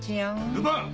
ルパン！